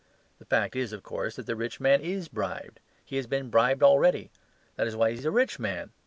The fact is, of course, that the rich man is bribed; he has been bribed already. That is why he is a rich man.